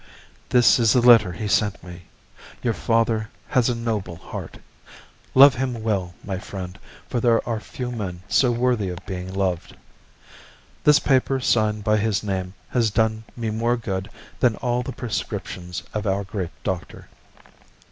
This is the letter he sent me. Your father has a noble heart; love him well, my friend, for there are few men so worthy of being loved. This paper signed by his name has done me more good than all the prescriptions of our great doctor.